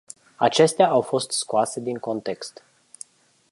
Acestea au fost scoase din context.